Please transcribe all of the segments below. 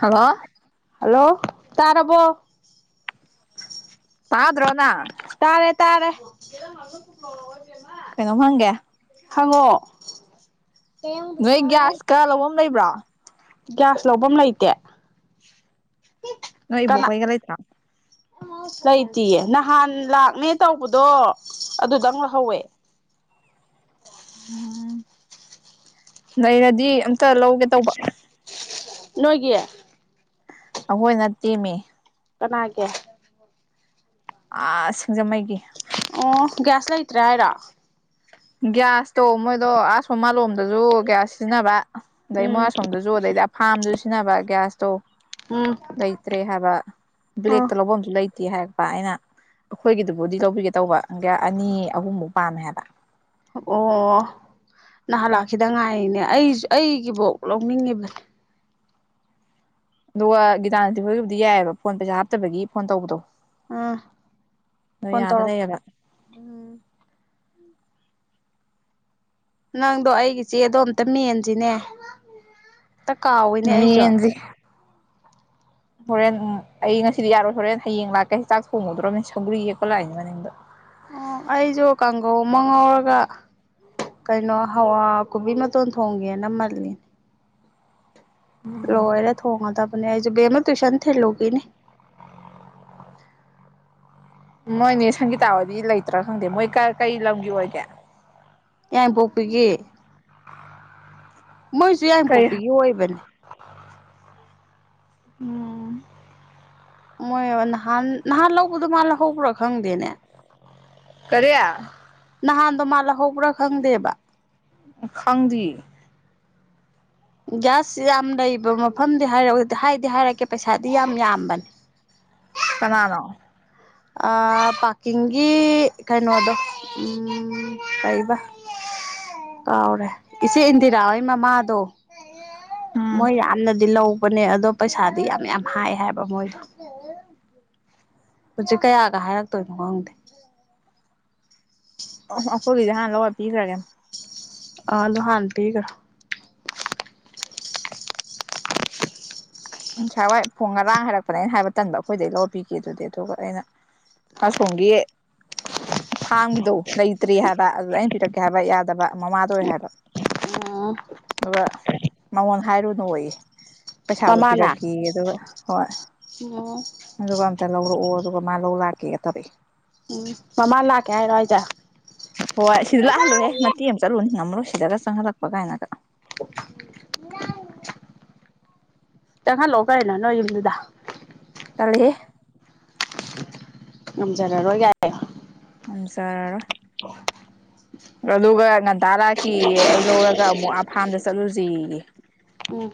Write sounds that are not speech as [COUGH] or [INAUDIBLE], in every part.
hello hello ꯇꯥꯔꯕꯣ ꯇꯥꯗ꯭ꯔꯣꯅꯥ ꯇꯥꯔꯦ ꯇꯥꯔꯦ ꯀꯩꯅꯣꯝ ꯍꯪꯒꯦ ꯍꯪꯉꯣ ꯅꯣꯏ ꯒ꯭ꯌꯥꯁ ꯀ ꯂꯧꯕꯝ ꯂꯩꯕꯔꯣ ꯒ꯭ꯌꯥꯁ ꯂꯧꯕꯝ ꯂꯩꯇꯦ ꯅꯣꯏ ꯏꯕꯣꯛ ꯍꯣꯏꯒ ꯂꯩꯇꯔꯣ ꯂꯩꯇꯌꯦ ꯅꯍꯥꯟ ꯂꯥꯛꯅꯦ ꯇꯧꯕꯗꯣ ꯑꯗꯨꯗꯪ ꯂꯧꯍꯧꯋꯦ [UNINTELLIGIBLE] ꯎꯝ ꯂꯩꯔꯗꯤ ꯑꯝꯇ ꯂꯧꯒꯦ ꯇꯧꯕ ꯅꯣꯏꯒꯤ ꯑꯩꯈꯣꯏꯅ ꯇꯦꯝꯃꯤ ꯀꯅꯥ ꯀꯦ ꯑ ꯁꯤꯡꯖꯃꯩꯒꯤ ꯑꯣ ꯒ꯭ꯌꯥꯁ ꯂꯩꯇ꯭ꯔꯦ ꯍꯥꯏꯔ ꯒ꯭ꯌꯥꯁꯇꯣ ꯃꯣꯏꯗꯣ ꯑꯁꯣꯝ ꯃꯥꯂꯣꯝꯗꯁꯨ ꯒ꯭ꯌꯥꯁ ꯁꯤꯖꯤꯟꯅꯕ ꯑꯗꯩ ꯃꯣꯏ ꯎꯝ ꯑꯁꯣꯝꯗꯁꯨ ꯑꯗꯩꯗꯤ ꯑ ꯐꯥꯝꯗꯨꯁꯨ ꯁꯤꯖꯤꯟꯅꯕ ꯒ꯭ꯌꯥꯁꯇꯣ ꯎꯝ ꯂꯩꯇ꯭ꯔꯦ ꯍꯥꯏꯕ ꯑꯥ ꯕ꯭ꯂꯦꯛꯇ ꯂꯧꯕ ꯑꯃꯁꯁꯨ ꯂꯩꯇ ꯤ ꯍꯥꯏꯔꯛꯄ ꯑꯩꯅ ꯑꯩꯈꯣꯏꯒꯤꯗꯨꯕꯨꯗꯤ ꯂꯧꯕꯤꯒꯦ ꯇꯧꯕ ꯑꯅꯤ ꯑꯍꯨꯝꯐꯧ ꯄꯥꯝꯃꯦ ꯍꯥꯏꯕ ꯑꯣ ꯅꯍꯥꯟꯂꯥꯛꯈꯤꯗ ꯉꯥꯏꯔꯤꯅꯦ ꯑꯩꯁꯨ ꯑꯩꯒꯤꯐꯧ ꯂꯧꯅꯤꯡꯉꯤꯕꯅꯦ ꯑꯗꯨꯒ ꯒꯤꯇꯥꯅꯗꯤ ꯍꯣꯏꯒꯤꯕꯨꯗꯤ ꯌꯥꯏꯑꯕ ꯐꯣꯟ ꯄꯩꯁꯥ ꯍꯥꯞꯇꯕꯒꯤ ꯐꯣꯟ ꯇꯧꯕꯗꯣ ꯎꯝ ꯑꯗꯣ ꯐꯣꯟ ꯌꯥꯗ ꯇꯔ ꯂꯩꯔꯕ ꯎꯝ ꯅꯪꯗꯣ ꯑꯩꯒꯤ ꯆꯦꯗꯣ ꯑꯝꯇ ꯃꯦꯟꯁꯤꯅꯦ ꯇ ꯀꯥꯎꯋꯤꯅꯦ ꯑꯩꯁꯨ ꯃꯦꯟꯖꯦ ꯍꯣꯔꯦꯟ ꯑꯩ ꯉꯁꯤꯗꯤ ꯌꯥꯔꯣꯏ ꯍꯣꯔꯦꯟ ꯍꯌꯦꯡ ꯂꯥꯛꯀꯦ ꯍ ꯆꯥꯛ ꯊꯣꯡꯉꯨꯗ꯭ꯔꯅꯤꯅ ꯁꯪꯒꯔꯤ ꯌꯦꯛꯄ ꯂꯥꯛꯏꯅꯦ ꯃꯅꯤꯡꯗꯣ ꯑꯣ ꯑꯩꯁꯨ ꯀꯥꯡꯒꯧ ꯑꯃ ꯉꯥꯎꯔꯒ ꯀꯩꯅꯣ ꯍꯋꯥ ꯀꯕꯤ ꯃꯇꯣꯟ ꯊꯣꯡꯒꯦꯅ ꯃꯥꯜꯂꯤꯅꯦ ꯂꯣꯏꯔ ꯊꯣꯡꯉꯗꯕꯅꯦ ꯦꯃ ꯇꯨꯁꯟ ꯊ ꯂꯅꯦ [UNINTELLIGIBLE] ꯅꯣꯏꯅꯦ ꯁꯪꯒꯤꯇꯥꯕꯨꯗꯤ ꯂꯩꯇ꯭ꯔꯥ ꯈꯪꯗꯦ ꯃꯣꯏ ꯀꯔꯤ ꯂꯝꯒꯤ ꯑꯣꯏꯒꯦ [UNINTELLIGIBLE] ꯄꯣꯛꯄꯤꯒꯤ ꯃꯣꯏꯁꯨ ꯌꯥꯏ ꯀꯔꯤ ꯄꯣꯛꯄꯤꯒꯤ ꯑꯣꯏꯕꯅꯦ ꯎꯝ ꯃꯣꯏ ꯅꯍꯥꯟ ꯅꯍꯥꯟ ꯂꯧꯕꯗꯣ ꯃꯥꯜ ꯂꯧꯍꯧꯕ꯭ꯔꯥ ꯈꯪꯗꯦꯅꯦ ꯀꯌꯥ ꯅꯍꯥꯟꯗꯣ ꯃꯥꯜ ꯂꯧꯍꯧꯕ꯭ꯔꯥ ꯈꯪꯗꯦꯕ ꯈꯪꯗꯤ ꯒ꯭ꯌꯥꯁ ꯌꯥꯝ ꯂꯩꯕ ꯃꯐꯝꯗꯤ ꯍꯥꯏꯔ ꯍꯥꯏꯗꯤ ꯍꯥꯏꯔꯛꯀꯦ ꯄꯩꯁꯥꯗꯤ ꯌꯥꯝ ꯌꯥꯝꯕꯅꯦ ꯀꯅꯥꯅꯣ ꯄꯥꯔꯀꯤꯡꯒꯤ ꯀꯩꯅꯣꯗꯣ ꯇꯕ ꯎꯝ ꯀꯥꯎꯔꯦ ꯏꯆꯦ ꯏꯟꯗꯤꯔꯥ ꯍꯣꯏ ꯃꯃꯥꯗꯣ ꯎꯝ ꯃꯣꯏ ꯔꯥꯟꯅꯗ ꯂ ꯄꯅꯦ ꯑꯗꯣ ꯄꯩꯁꯥꯗꯤ ꯌꯥꯝ ꯌꯥꯝ ꯍꯥꯏ ꯍꯥꯏꯕ ꯃꯣꯏꯗꯣ ꯍꯧꯖꯤꯛ ꯀꯌꯥꯒ ꯍꯥꯏꯔꯛꯇꯣꯏꯅꯣ ꯈꯪꯗꯦ [UNINTELLIGIBLE] ꯍꯦꯟ ꯂꯒ ꯄꯤꯁꯔꯒꯦ ꯑ ꯂꯨꯍꯥꯟ ꯊꯤꯒ ꯉꯁꯥꯏ ꯍꯏ ꯐꯣꯡ ꯉꯔꯥꯡ ꯍꯥꯏꯔꯛꯄꯅꯦ ꯑꯩꯅ ꯍꯥꯏꯕ ꯇꯟꯕ ꯑꯩꯈꯣꯏꯗꯒꯤꯩ ꯂꯧꯕꯤꯒꯦ ꯑꯗꯨꯗꯤ ꯑꯗꯨꯒ ꯑꯩꯅ ꯑ ꯁꯒꯑ ꯐꯥꯝꯒꯤꯗꯣ ꯂꯩꯇ꯭ꯔꯤ ꯍꯥꯏꯕ ꯑꯗꯨꯗ ꯑꯩꯅ ꯄꯤꯔꯛꯀꯦ ꯍꯥꯏꯕ ꯌꯥꯗꯕ ꯃꯃꯥꯗ ꯑꯣꯏ ꯍꯥꯏꯕ ꯑꯗꯨꯒ ꯃꯉꯣꯟ ꯍꯥꯏꯔꯨꯅꯨ ꯑꯣꯏꯌꯦ ꯃꯃꯥꯅ ꯄꯤꯔꯛꯈꯤ ꯑꯗꯨꯒ ꯍꯣꯏ ꯎꯝ ꯑꯗꯨꯒ ꯑꯝꯇ ꯂꯧꯔꯛꯑꯣ ꯑꯗꯨꯒ ꯃꯥꯂꯧ ꯂꯥꯛꯀꯦꯒ ꯇꯩ ꯎꯝ ꯃꯃꯥ ꯂꯥꯛꯀꯦ ꯍꯥꯏꯔꯣ ꯑꯩꯗꯦ ꯍꯣꯏ ꯁꯤꯗꯤ ꯂꯥꯛꯍꯜꯂꯨꯍꯦ ꯃꯇꯤ ꯑꯃ ꯆꯠꯂꯨꯅꯤ ꯉꯝꯃꯔꯣ ꯁꯤꯗ ꯆꯪꯍꯜꯂꯛꯄ ꯀꯥꯏꯅꯒ ꯆꯪꯍꯜꯂꯣ ꯀꯩꯅꯣ ꯅꯣꯏ ꯌꯨꯝꯗꯨꯗ ꯇꯜꯂꯦꯍꯦ ꯉꯝꯖꯔꯔꯣꯏ ꯌꯥꯏ ꯉꯝꯆꯔꯔꯣꯏ [UNINTELLIGIBLE] ꯑꯗꯨꯒ ꯉꯟꯇꯥ ꯂꯥꯛꯀꯦꯌꯦ ꯑꯩ ꯂꯧꯔꯒ ꯑꯃꯨꯛ ꯑꯥ ꯐꯥꯝꯗ ꯆꯠꯂꯨꯖꯦꯌꯦ ꯎꯝ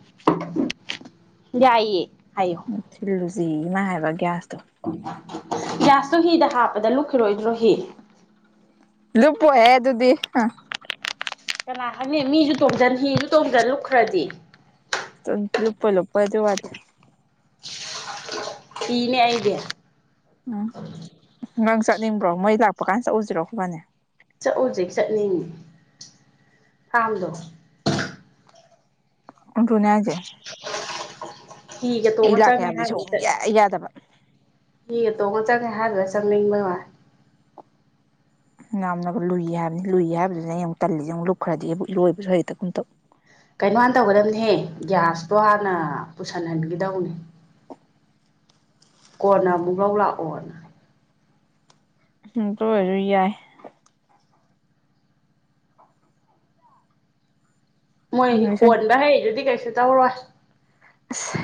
ꯌꯥꯏꯌꯦ ꯍꯥꯏꯌꯣ ꯎꯝ ꯊꯤꯜꯂꯨꯖꯦꯌꯦ ꯃꯥ ꯍꯥꯏꯕ ꯒ꯭ꯌꯥꯁ ꯒ꯭ꯌꯥꯁꯇꯨ ꯍꯤꯗ ꯍꯥꯞꯄꯗ ꯂꯨꯞꯈꯤꯔꯣꯏꯗ꯭ꯔꯣ ꯍꯤ ꯂꯨꯄꯣꯏꯍꯦ ꯑꯗꯨꯗꯤ ꯍ ꯀꯅꯥ ꯈꯪꯅꯤ ꯃꯤꯖꯨ ꯇꯣꯡꯖꯟ ꯍꯤꯖꯨ ꯇꯣꯡꯖꯟ ꯂꯨꯈ꯭ꯔꯗꯤ ꯇꯟ ꯂꯨꯞꯄꯣꯏ ꯂꯨꯨꯞꯄꯣꯏ ꯑꯗꯨ ꯋꯥꯗꯤ ꯀꯤꯅꯦ ꯑꯩꯗꯤ ꯎꯝ ꯅꯪ ꯆꯠꯅꯤꯡꯕ꯭ꯔꯣ ꯃꯣꯏ ꯂꯥꯛꯄ ꯀꯥꯟ ꯆꯧꯖꯤꯔꯣ ꯑꯈꯣꯏꯕꯥꯅꯤ ꯆꯠꯎꯖꯦ ꯆꯠꯅꯤꯡ ꯐꯥꯝꯗꯣ ꯑꯗꯨꯅꯦ ꯍꯥꯏꯖꯦ ꯍꯤꯒ ꯇꯣꯡꯉ ꯆꯪꯉꯦ ꯍꯥꯏꯕꯗꯨꯗ ꯌꯥꯗꯕ ꯍꯤꯒ ꯇꯣꯡꯉ ꯆꯪ ꯍꯥꯏꯕꯗꯨꯗ ꯆꯪꯅꯤꯡꯕꯩ ꯋꯥꯟ ꯌꯥꯝꯅꯒ ꯂꯨꯏ ꯍꯥꯏꯝꯅꯤ ꯂꯨꯏ ꯍꯥꯏꯕꯗꯨꯅꯦ ꯑꯩꯅ ꯑꯃꯨꯛ ꯇꯜꯂꯤꯖꯦ ꯂꯨꯞꯈ꯭ꯔꯗꯤꯕꯨ ꯏꯔꯣꯏꯕꯁꯨ ꯍꯦꯛꯇꯒꯨꯝ ꯇꯧ ꯀꯩꯅꯣꯥ ꯍꯥꯟ ꯇꯧꯒꯗꯝꯅꯦꯍꯦ ꯒ꯭ꯌꯥꯁꯇꯣ ꯍꯥꯟꯅ ꯄꯨꯁꯟꯍꯟꯒꯒꯤꯗꯧꯅꯦ ꯀꯣꯟꯅ ꯑꯃꯨꯛ ꯂꯧ ꯂꯥꯛꯑꯣꯅ ꯍꯨꯝꯇꯨꯑꯣꯏꯖꯨ [UNINTELLIGIBLE] ꯌꯥꯏ ꯃꯣꯏ ꯍꯣꯟꯕ ꯍꯩꯗꯨꯗꯤ ꯀꯩꯁꯨ ꯇꯧꯔꯣꯏ ꯑꯁ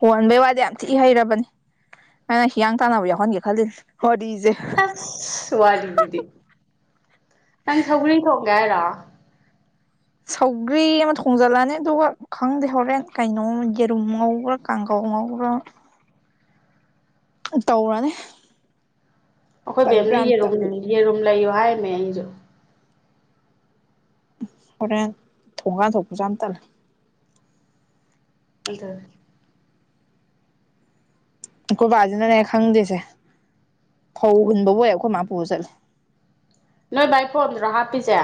ꯍꯣꯟꯕꯩ ꯋꯥꯗꯤ ꯌꯥꯝ ꯊꯤ ꯍꯩꯔꯕꯅꯦ ꯑꯩꯅ ꯍꯤꯌꯥꯡ ꯇꯥꯟꯅꯕ ꯌꯥꯎꯍꯟꯒꯦ ꯈꯜꯂꯤ ꯑꯁ ꯋꯥꯔꯤꯗꯤ ꯅꯪ ꯁꯧꯒ꯭ꯔꯤ ꯊꯣꯡꯒꯦ ꯍꯥꯏꯔꯣ ꯁꯧꯒ꯭ꯔꯤ ꯑꯃ ꯊꯣꯡꯖꯜꯂꯅꯤ ꯑꯗꯨꯒ ꯈꯪꯗꯦ ꯍꯣꯔꯦꯟ ꯀꯩꯅꯣ ꯌꯦꯔꯨꯝ ꯉꯧꯕ꯭ꯔꯥ ꯀꯥꯡꯒꯧ ꯉꯧꯕꯔꯃ ꯇꯧꯔꯅꯤ ꯑꯩꯈꯣꯏ ꯇꯟꯁꯨ ꯕꯦꯝꯅ ꯌꯥꯝ ꯌꯦꯔꯨꯝ ꯇꯜꯂꯤꯕꯅꯤ ꯌꯦꯔꯨꯝ ꯂꯩꯌꯨ ꯍꯥꯏꯝꯃꯦ ꯑꯩꯁꯨ ꯍꯣꯔꯦꯟ ꯊꯣꯡꯒꯥꯟ ꯊꯣꯛꯄꯁꯨ ꯌꯥꯝ ꯇꯜꯂꯦ ꯑꯗꯨꯟ ꯑꯈꯣꯏꯕꯥꯖꯤꯅꯅꯦ ꯈꯪꯗꯦꯁꯦ ꯐꯧ ꯍꯨꯟꯕꯕꯨ ꯍꯦꯛ ꯑꯩꯈꯣꯏ ꯃꯥ ꯄꯨꯔ ꯆꯠꯂꯦ ꯅꯣꯏ ꯚꯥꯏ ꯐꯣꯟꯗꯔꯣ ꯍꯥꯞꯄꯤꯖꯦ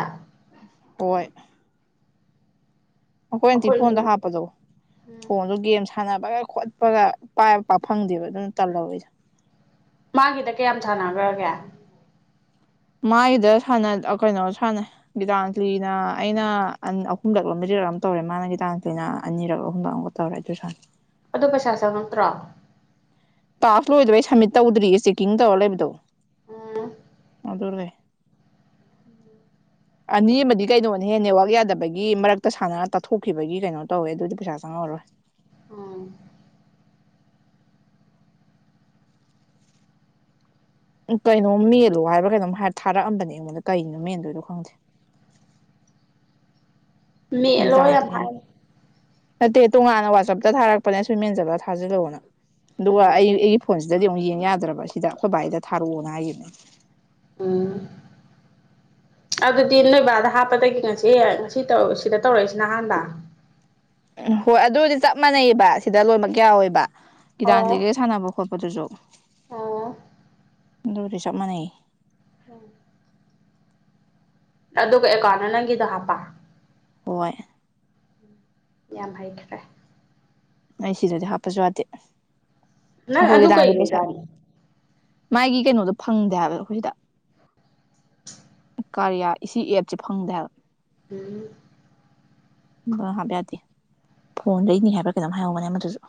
ꯍꯣꯏ ꯑꯩꯈꯣꯏ ꯑꯟꯇꯤ ꯐꯣꯟꯗ ꯍꯥꯞꯄꯗꯣ ꯎꯝ ꯐꯣꯟꯗꯣ ꯒꯦꯝ ꯁꯥꯟ ꯁꯥꯟꯅꯕꯒ ꯈꯣꯠꯄꯒ ꯄꯥꯏꯕ ꯄꯥꯛ ꯐꯪꯗꯦꯕ ꯑꯗꯨꯅ ꯇꯜꯂꯕ ꯑꯩꯗꯣ ꯃꯥꯒꯤꯗ ꯀꯌꯥꯝ ꯁꯥꯟꯅꯒ꯭ꯔꯒꯦ ꯃꯥꯏꯗ ꯁꯥꯟꯅ ꯑ ꯀꯩꯅꯣ ꯁꯥꯟꯅꯩ ꯒꯤꯇꯥꯟꯖꯂꯤꯅ ꯑꯩꯅ ꯑꯟ ꯑꯍꯨꯝꯂꯛꯂ ꯃꯔꯤ ꯔꯛ ꯑꯝ ꯇꯧꯔꯦ ꯃꯥꯅ ꯒꯤꯇꯥꯟꯖꯂꯤꯅ ꯑꯅꯤꯔꯛ ꯑꯍꯨꯝꯔꯛ ꯑꯝꯒ ꯇꯧꯔꯦ ꯑꯗꯨꯒ ꯁꯥꯟꯅꯩ ꯑꯗꯣ ꯄꯩꯁꯥ ꯆꯪꯉꯛꯇ꯭ꯔꯣ ꯇꯥꯛꯁ ꯂꯣꯏꯗꯕꯩ ꯁꯝꯃꯤꯠ ꯇꯧꯗ꯭ꯔꯤꯌꯦ ꯆꯦꯛꯀꯤꯡ ꯇꯧꯔ ꯂꯩꯕꯗꯣ ꯎꯝ ꯑꯗꯨꯅꯦ ꯑꯅꯤ ꯑꯃꯗꯤ ꯀꯩꯅꯣꯅꯦꯍꯦ ꯅꯦꯠꯋꯥꯛ ꯌꯥꯗꯕꯒꯤ ꯃꯔꯛꯇ ꯁꯥꯟꯅꯔ ꯇꯠꯊꯣꯛꯈꯤꯕꯒꯤ ꯀꯩꯅꯣ ꯇꯧꯋꯦ ꯑꯗꯨꯗꯤ ꯄꯩꯁꯥ ꯆꯪꯉ ꯃꯔꯣꯏ ꯑ ꯎ ꯀꯩꯅꯣꯝ ꯃꯦꯜꯂꯨ ꯍꯥꯏꯕꯔꯥ ꯀꯩꯅꯣꯝ ꯍꯥꯏ ꯊꯥꯔꯛꯑꯝꯕꯅꯦ ꯑꯩꯉꯣꯟꯗ ꯀꯔꯤꯅꯣ ꯃꯦꯟꯗꯣꯏꯅꯣ ꯈꯪꯗꯦ [UNINTELLIGIBLE] [INAUDIBLE] ꯃꯦꯜ ꯂꯣ ꯌꯥꯝ ꯒꯤꯇꯥꯟꯖꯂꯤꯅ ꯍꯥꯏ ꯅꯠꯇꯦ ꯇꯣꯉꯥꯟꯅ ꯋꯥꯆꯞꯇ ꯊꯥꯔꯛꯄꯅꯦ ꯑꯁꯤ ꯃꯦꯟ ꯖꯜꯂꯒ ꯊꯥꯖꯤꯜꯂꯛꯑꯣꯅ ꯑꯗꯨꯒ ꯎꯝ ꯑꯩ ꯑꯩꯒꯤ ꯐꯣꯟꯁꯦ ꯁꯤꯗꯗꯤ ꯑꯃꯨꯛ ꯌꯦꯡ ꯌꯥꯗ꯭ꯔꯕ ꯁꯤꯗ ꯑꯩꯈꯣꯏ ꯕꯥꯏꯁꯤꯗ ꯊꯥꯔꯛꯑꯣꯅ ꯍꯥꯏꯒꯤꯕꯅꯦ ꯎ [INAUDIBLE] [UNINTELLIGIBLE] ꯑꯗꯨꯗꯤ ꯅꯣꯏꯕꯥꯗ ꯍꯥꯞꯄꯗꯒꯤ ꯉꯁꯤ ꯉꯁꯤ ꯁꯤꯗ ꯇꯧꯔꯛꯏꯁꯤꯅ ꯑꯍꯥꯟꯕ ꯎꯝ ꯍꯣꯏ ꯑꯗꯨꯔꯗꯤ ꯆꯞ ꯃꯥꯟꯅꯩꯑꯕ ꯁꯤꯗ ꯂꯣꯏꯅꯃꯛ ꯌꯥꯎꯏ ꯕ ꯑꯣ ꯒꯤꯇꯥꯟꯖꯂꯤꯒ ꯁꯥꯟꯅꯕ ꯈꯣꯠꯄ ꯑꯗꯨꯁꯨ ꯑꯣ ꯑꯗꯨꯗꯤ ꯆꯞ ꯃꯥꯟꯅꯩ ꯌꯦ ꯍꯝ ꯑꯗꯨꯒ ꯑꯦꯀꯥꯎꯟꯗ ꯅꯪꯒꯤꯗ ꯍꯥꯞꯄ ꯍꯣꯏ ꯌꯥꯝ ꯍꯩꯈ꯭ꯔꯦ ꯑꯩ ꯁꯤꯗꯗꯤ ꯍꯥꯞꯄꯁꯨ ꯌꯥꯗꯦ ꯅꯪ ꯑꯗꯨ ꯑꯩꯈꯣꯏꯒꯤꯗꯥꯟꯗꯤ ꯄꯩꯁꯥ ꯀꯩꯒꯤꯖꯅꯣ ꯃꯥꯒꯤ ꯀꯩꯅꯣꯗꯣ ꯐꯪꯗꯦ ꯍꯥꯏꯕ ꯑꯩꯈꯣꯏ ꯁꯤꯗ ꯀꯥꯔꯤꯌꯥ ꯁꯤ ꯑꯦꯞꯁꯦ ꯐꯪꯗꯦꯕ ꯍꯥꯏꯕꯥ ꯎꯝ ꯍꯥꯞꯕ ꯌꯥꯗꯦ ꯐꯣꯟ ꯂꯩꯅꯤ ꯍꯥꯏꯕ꯭ꯔꯥ ꯀꯩꯅꯣꯝ ꯍꯥꯏꯍꯧꯕꯕꯅꯦ ꯑꯃꯗꯨꯁꯨ [INAUDIBLE]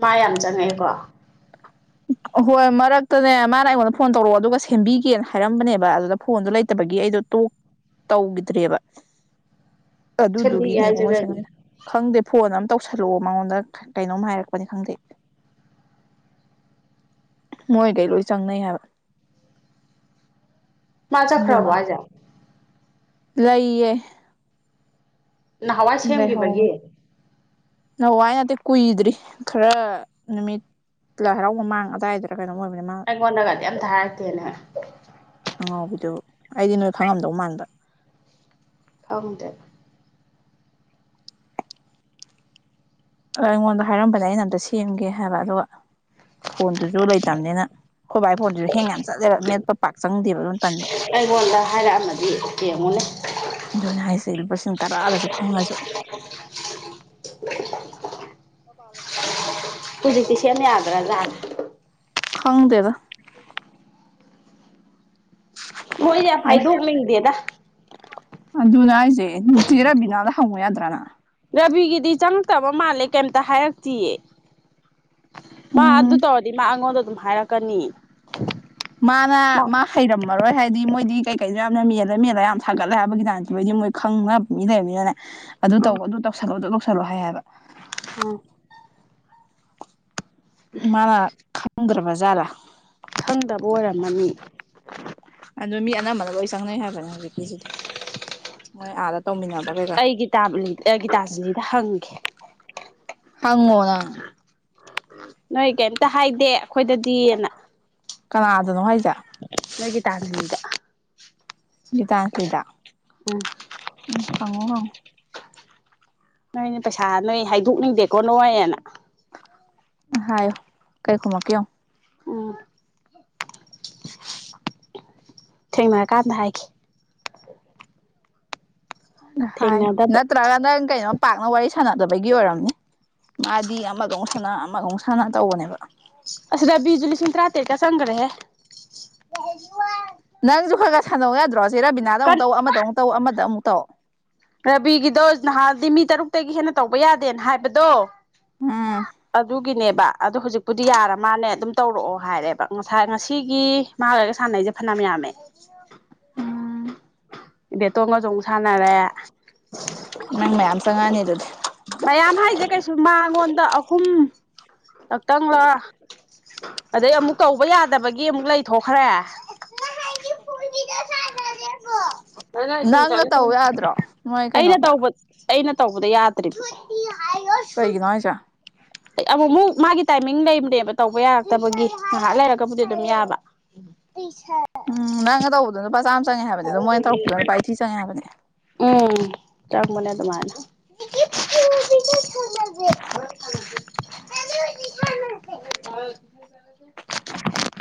ꯃꯥ ꯌꯥꯝ ꯆꯪꯉꯥꯛꯑꯀꯣ ꯎ ꯑꯍꯣꯏ ꯃꯔꯛꯇꯅꯦ ꯃꯥꯅ ꯑꯩꯉꯣꯟꯗ ꯐꯣꯟ ꯇꯧꯔꯛꯑꯣ ꯑꯗꯨꯒ ꯁꯦꯝꯕꯤꯒꯦꯅ ꯍꯥꯏꯔꯝꯕꯅꯦꯕ ꯑꯗꯨꯗ ꯐꯣꯟꯗꯣ ꯂꯩꯇꯕꯒꯤ ꯑꯩꯗꯣ ꯇꯣꯛ ꯇꯧꯈꯤꯗ꯭ꯔꯦꯕ ꯁꯦꯝꯕꯤꯒꯦ ꯑꯗꯨꯗꯨꯒꯤꯅꯦꯕ ꯍꯥꯏꯁꯦ ꯃꯣꯏ ꯀꯩꯅꯣ ꯆꯪꯉꯥꯛꯏꯗꯣ ꯈꯪꯗꯦ ꯐꯣꯟ ꯑꯃ ꯇꯧꯁꯜꯂꯛꯑꯣ ꯃꯉꯣꯟꯗ ꯀꯩꯅꯣꯝ ꯍꯥꯏꯔꯛꯄꯅꯤ ꯈꯪꯗꯦ ꯃꯣꯏꯒꯩ ꯂꯣꯏ ꯆꯪꯅꯩ ꯍꯥꯏꯕ ꯃꯥ ꯆꯥꯥꯠ ꯑꯗꯨꯏ ꯃꯥ ꯈꯔꯕ ꯍꯥꯏꯖꯦ ꯂꯩꯌꯦ ꯅꯍꯥꯟꯋꯥꯏ ꯂꯩꯍꯧꯋꯦ ꯁꯦꯝꯈꯤꯕꯒꯤ ꯅꯋꯥꯏ ꯅꯠꯇꯦ ꯀꯨꯏꯗ꯭ꯔꯤ ꯈꯔ ꯅꯨꯃꯤꯠ ꯂꯥꯏꯍꯔꯥꯎ ꯃꯃꯥꯡ ꯑꯗꯨꯗꯥꯏꯗꯔ ꯀꯩꯅꯣꯝ ꯑꯣꯏꯕ ꯅꯤ ꯃꯥ ꯑꯩꯉꯣꯟꯗꯒꯗꯤ ꯑꯝꯇ ꯍꯥꯏꯔꯛꯇꯦꯅꯦ ꯑꯉꯥꯎꯕꯤꯗꯣ ꯑꯗꯨ ꯑꯩꯗꯤ ꯅꯣꯏ ꯈꯪꯉꯝꯗꯧ ꯃꯥꯟꯕ ꯈꯪꯗꯦ ꯑ ꯑꯩꯉꯣꯟꯗ ꯍꯥꯏꯔꯝꯕꯅꯦ ꯑꯩꯅ ꯑꯝꯇ ꯁꯦꯝꯒꯦ ꯍꯥꯏꯕ ꯑꯗꯨꯒ ꯐꯣꯟꯗꯨꯁꯨ ꯂꯩꯇꯕꯅꯤꯅ ꯑꯩꯈꯣꯏꯕꯥꯏ ꯐꯣꯟꯁꯤꯁꯨ ꯍꯦꯡ ꯌꯥꯝ ꯆꯠꯂꯦꯕ ꯃꯦꯠꯄ ꯄꯥꯛ ꯆꯪꯗꯦꯕ ꯑꯗꯨꯝ ꯇꯟꯕ ꯑꯩꯉꯣꯟꯗ ꯍꯥꯏꯔꯛꯑꯝꯃꯗꯤ ꯌꯦꯡꯉꯨꯅꯦ ꯑꯗꯨꯅꯦ ꯍꯥꯏꯁꯦ ꯂꯨꯄꯥ ꯂꯤꯁꯤꯡ ꯇꯔꯥꯗꯁꯨ ꯐꯪꯉꯁꯨ ꯍꯧꯖꯤꯛ ꯇꯤ ꯁꯦꯝ ꯌꯥꯗꯔꯥ ꯖꯠꯂꯥ ꯈꯪꯗꯦꯗ ꯃꯣꯏꯁꯦ ꯌꯥꯝ ꯍꯥꯏꯗꯣꯛꯅꯤꯡꯗꯦꯗ ꯑꯗꯨꯅꯤ ꯍꯥꯏꯁꯦ ꯅꯨꯡꯇꯤ ꯆꯦ ꯔꯥꯕꯤꯅꯥꯗ ꯍꯪꯉꯨ ꯌꯥꯗ꯭ꯔꯥꯅ ꯔꯕꯤꯒꯤꯗꯤ ꯆꯪꯉꯛꯇꯕ ꯃꯥꯜꯂꯦ ꯀꯩꯝꯇ ꯍꯥꯏꯔꯛꯇꯌꯦ ꯃꯥ ꯑꯗꯨ ꯎꯝ ꯇꯧꯔꯗꯤ ꯃꯥ ꯑꯩꯉꯣꯟꯗ ꯑꯗꯨꯝ ꯍꯥꯏꯔꯛꯀꯅꯤ ꯃꯥꯅ ꯑꯥ ꯃꯥ ꯍꯩꯔꯝꯃꯔꯣꯏ ꯍꯥꯏꯗꯤ ꯃꯣꯏꯗꯤ ꯀꯩꯀꯩꯅꯣ ꯌꯥꯝꯅ ꯃꯦꯜꯂ ꯃꯦꯜꯂ ꯌꯥꯝ ꯊꯒꯠꯂꯦ ꯍꯥꯏꯕꯒꯤ ꯗꯥꯟ ꯊꯤꯕꯣꯏꯗꯤ ꯃꯣꯏ ꯈꯪꯉꯕ ꯃꯤ ꯂꯩꯕꯅꯤꯅꯅꯦ ꯑꯗꯨ ꯇꯧ ꯑꯗꯨ ꯇꯧꯁꯜꯂꯣ ꯑꯗꯨ ꯇꯧꯁꯜꯂꯣ ꯍꯥꯏꯌꯦꯕ ꯑ ꯃꯅꯥ ꯈꯪꯒꯔꯕꯖꯂ ꯈꯪꯗꯕ ꯑꯣꯏꯔꯝꯃꯅꯤ ꯑꯗꯨ ꯃꯤ ꯑꯅꯝꯕꯅ ꯂꯣꯏ ꯆꯪꯅꯩ ꯍꯥꯏꯕꯅꯦ ꯍꯧꯖꯤꯛꯀꯤꯁꯤꯗꯤ ꯃꯣꯏ ꯑꯥꯗ ꯇꯧꯃꯤꯟꯅꯕ ꯀꯩꯀꯥ ꯑꯩꯒꯤ ꯇ ꯑꯩꯒꯤꯇꯥꯥꯁꯤꯂꯤꯗ ꯍꯪꯒꯦ ꯍꯉꯣꯅ ꯅꯣꯏ ꯀꯩꯝꯇ ꯍꯥꯏꯗꯦ ꯑꯩꯈꯣꯏꯗꯗꯤꯅ ꯀꯅꯥꯗꯅꯣ ꯍꯥꯏꯦ ꯍꯒꯤ ꯇꯥꯔꯒ ꯇꯥꯟꯁꯂꯤꯗ ꯎꯝ ꯎꯝ ꯍꯪꯉꯣ ꯍꯪꯉꯣ ꯅꯣꯏꯅꯦ ꯄꯩꯁꯥ ꯅꯣꯏ ꯍꯥꯏꯗꯣꯛꯅꯤꯡꯗꯦꯀꯣ ꯅꯅꯨꯡꯉꯥꯏꯌꯦꯦꯅ ꯍꯥꯏꯣ ꯀꯩ ꯈꯨꯨꯝꯃ ꯀꯣ ꯎꯝ ꯊꯦꯡꯅꯔꯀꯥꯟꯗ ꯍꯥꯏꯈꯤ ꯍꯥꯏ ꯊꯦꯡꯅꯗꯕ ꯅꯠꯇ꯭ꯔꯒ ꯅꯪ ꯀꯩꯅꯣꯝ ꯄꯥꯛꯅ ꯋꯥꯔꯤ ꯁ ꯁꯥꯟꯅꯗꯕꯒꯤ ꯑꯣꯏꯔꯝꯅꯤ ꯃꯥꯗꯤ ꯑꯃꯒ ꯑꯃꯨꯛ ꯁꯅ ꯑꯃꯒꯧꯨꯛ ꯁꯥꯟꯅ ꯇꯧꯕꯅꯦꯕ ꯑꯁꯤꯗꯕꯤꯁꯨꯨ ꯂꯤꯁꯤꯡ ꯇꯔꯥꯇꯔꯦꯠꯀ ꯆꯪꯈ꯭ꯔꯦꯍꯦ ꯅꯪꯁꯨ ꯈꯔ ꯈꯔ ꯁꯥꯟꯗꯣꯛ ꯌꯥꯗ꯭ꯔꯣꯁꯦ ꯔꯥꯕꯤꯅꯥꯗ ꯑꯃꯨꯛ ꯀꯟ ꯇꯧ ꯑꯃꯗ ꯑꯃꯨꯛ ꯇꯧ ꯑꯃꯗ ꯑꯃꯨꯛ ꯇꯧ ꯔꯕꯤꯒꯤꯗꯣ ꯅꯍꯥꯟꯗꯤ ꯃꯤ ꯇꯔꯨꯛꯇꯒꯤ ꯍꯦꯟꯅ ꯇꯧꯕ ꯌꯥꯗꯦꯅ ꯍꯥꯏꯕꯗꯣ ꯑꯥ ꯒꯤꯅꯦꯕ ꯑꯗꯣ ꯍꯧꯖꯤꯛꯄꯨꯗꯤ ꯌꯥꯔ ꯃꯥꯅꯦ ꯑꯗꯨꯝ ꯇꯧꯔꯛꯑꯣ ꯍꯥꯏꯔꯦꯕ ꯉꯁꯥꯏ ꯉꯁꯤꯒꯤ ꯃꯥꯔꯒ ꯁꯥꯟꯅꯩꯁ ꯁꯦ ꯐꯅꯌꯥꯝ ꯌꯥꯝꯃꯦ ꯍ ꯦꯇꯣꯡꯒꯁꯨꯛ ꯁꯥꯟꯅꯔꯦ ꯅꯪ ꯃꯌꯥꯝ ꯆꯪꯉꯅꯤ ꯑꯗꯨꯗꯤ ꯃꯌꯥꯝ ꯍꯥꯏꯁꯦ ꯀꯩꯁꯨ ꯃꯉꯣꯟꯗ ꯑꯍꯨꯝ ꯂꯥꯛꯛꯇꯪꯕꯥ ꯑꯗꯩ ꯑꯃꯨꯛ ꯀꯧꯕ ꯌꯥꯗꯕꯒꯤ ꯒꯤ ꯑꯃꯨꯛ ꯂꯩꯊꯣꯛꯈ꯭ꯔꯦ ꯅꯨꯝ ꯅꯪꯅ ꯇꯧ ꯌꯥꯗ꯭ꯔꯣ ꯅꯣꯏ ꯑꯩꯅ ꯇ ꯀꯩꯅꯣꯗ ꯑꯩꯅ ꯇꯧꯕꯗ ꯌꯥꯗ꯭ꯔꯤꯕ ꯇꯩꯒꯤꯅꯉ ꯆ ꯑꯃꯨ ꯑꯃꯨꯛ ꯃꯥꯒꯤ ꯇꯥꯏꯃꯤꯡ ꯂꯩꯕꯅꯦꯕ ꯇꯧꯕ ꯌꯥꯔꯛꯇꯕꯒꯤ ꯉꯥꯏꯍꯥꯛ ꯂꯩꯔꯒꯕꯨꯗꯤ ꯑꯗꯨꯝ ꯌꯥꯕ ꯇ ꯎꯝ ꯅꯪ ꯂꯨꯄꯥ ꯆꯆꯥ ꯑꯃ ꯆꯪꯉꯦ ꯍꯥꯏꯕꯅꯦ ꯑꯗꯨꯝ ꯃꯣꯏꯅ ꯇꯧꯔꯛꯄꯗꯨꯗ ꯂꯨꯄꯥ ꯏꯊꯤ ꯆꯪꯉꯦ ꯍꯥꯏꯕꯅꯦ ꯃꯅꯦ ꯇꯣꯃꯥ [UNINTELLIGIBLE] ꯦ [UNINTELLIGIBLE]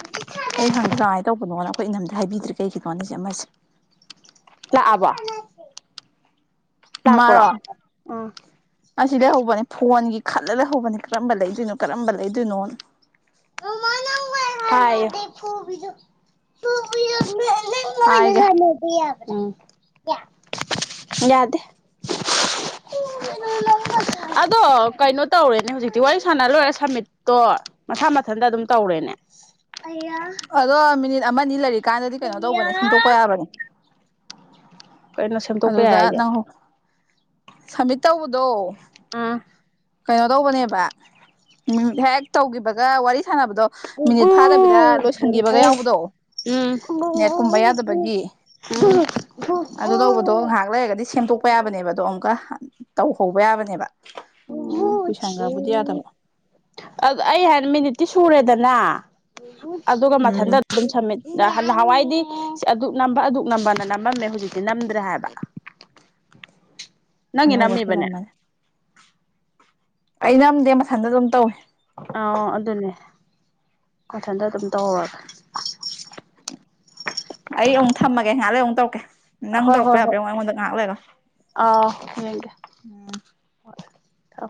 ꯑꯩ ꯍꯪꯒꯦ ꯀꯃꯥꯏꯅ ꯇꯧꯕꯅꯣꯅ ꯑꯩꯈꯣꯏ ꯏꯅꯝꯗ ꯍꯥꯏꯕꯤꯗ꯭ꯔꯦ ꯀꯩꯒꯤꯅꯣ ꯍꯥꯏꯅꯁꯦ ꯑꯃꯁꯦ ꯂ ꯑꯕ ꯃꯥꯔꯣ ꯑꯁꯤꯗꯒꯤꯩ ꯍꯧꯕꯅꯤ ꯐꯣꯟꯒꯤ ꯈꯜꯂ ꯂꯩ ꯍꯧꯕꯅꯤ ꯀꯔꯝꯕ ꯂꯩꯗꯣꯏꯅꯣ ꯀꯔꯝꯕ ꯂꯩꯗꯣꯏꯅꯣꯅ ꯍꯥꯏ ꯐ ꯍꯥꯏꯒꯦ ꯐꯅꯅꯗ ꯎꯝ ꯌꯥꯗꯦ [UNINTELLIGIBLE] ꯑꯗꯣ ꯀꯩꯅꯣ ꯇꯧꯔꯦꯅꯦ ꯍꯧꯖꯤꯛꯇꯤ ꯋꯥꯔꯤ ꯁꯥꯟꯅꯔꯣꯏꯔꯦ ꯁꯃꯤꯠꯇꯣ ꯃꯁꯥ ꯃꯊꯟꯇ ꯑꯗꯨꯝ ꯇꯧꯔꯦꯅꯦ ꯑꯗꯣ ꯃꯤꯅꯤꯠ ꯑꯃꯅꯤ ꯂꯩꯔꯤꯛꯀꯥꯟꯗꯗꯤ ꯀꯩꯅꯣ ꯇꯧꯕꯅꯦ ꯁꯦꯝꯗꯣꯛꯄ ꯌꯥꯕꯅꯦ ꯀꯩꯅꯣ ꯁꯦꯝꯗꯣꯛꯄ ꯌꯥꯏ ꯑꯗꯨꯗ ꯍꯥꯏꯁꯦ ꯅꯪ ꯁꯝꯃꯤꯠ ꯇꯧꯕꯗꯣ ꯑꯥ ꯀꯩꯅꯣ ꯇꯧꯕꯅꯦꯕꯠ ꯍꯦꯛ ꯇꯧꯈꯤꯕꯒ ꯋꯥꯔꯤ ꯁꯥꯟꯅꯕꯗꯣ ꯑꯗ ꯃꯤꯅꯤꯠ ꯐꯥꯗꯕꯤꯗ ꯂꯣꯏꯁꯤꯟꯈꯤꯕꯒ ꯌꯥꯎꯕꯗꯣ ꯅꯦꯠ ꯀꯨꯝꯕ ꯌꯥꯗꯕꯒꯤ ꯑꯗꯨ ꯇꯧꯕꯗꯣ ꯉꯥꯏꯍꯥꯛ ꯂꯩꯔꯒꯗꯤ ꯁꯦꯝꯗꯣꯛꯄ ꯌꯥꯕꯅꯦꯕ ꯑꯗꯣ ꯑꯃꯨꯛꯀ ꯇꯧꯍꯧꯕ ꯌꯥꯕꯅꯦꯕ ꯀꯨꯏꯁꯟꯈ꯭ꯔꯕꯨꯗꯤ ꯌꯥꯗꯕ ꯑ ꯑꯩ ꯍꯥꯟ ꯃꯤꯅꯤꯠꯇꯤ ꯁꯨꯔꯦꯗꯅ ꯑꯗꯨꯒ ꯃꯊꯟꯇ ꯎꯝ ꯑꯗꯨꯝ ꯁꯝꯃꯤꯠ ꯅꯍꯥꯟꯋꯥꯏꯗꯤ ꯑꯗꯨꯛ ꯅꯝꯕ ꯑꯗꯨꯛ ꯅꯝꯕꯅ ꯅꯝꯃꯝꯃꯦ ꯍꯧꯖꯤꯛꯇꯤ ꯅꯝꯗ꯭ꯔꯦ ꯍꯥꯏꯕꯅ ꯑꯅꯧꯕ ꯁꯤꯂꯝꯃꯅꯤ ꯑꯩ ꯅꯝꯗꯦ ꯃꯊꯟꯗ ꯑꯗꯨꯝ ꯇꯧꯏ ꯑꯥ ꯑꯗꯨꯅꯦ ꯃꯊꯟꯇ ꯑꯗꯨꯝ ꯇꯧꯍꯧꯔꯒ ꯑꯩ ꯑꯃꯨꯛ ꯊꯝꯃꯒꯦ ꯉꯥꯏꯍꯥꯟ ꯂꯩ ꯑꯃꯨꯛ ꯇꯧꯀꯦ ꯅꯪ ꯍꯣꯏ ꯇꯧꯔꯛꯄ ꯍꯣꯏ ꯍꯣꯏ ꯌꯥꯕ꯭ꯔꯥꯡꯉꯣ ꯑꯩꯉꯣꯟꯗ ꯉꯥꯏꯍꯥꯛ ꯂꯩꯒ ꯑꯥ ꯎꯝ ꯊ